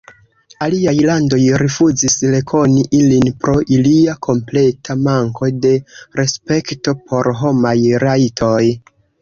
Aliaj landoj rifuzis rekoni ilin pro ilia kompleta manko de respekto por homaj rajtoj.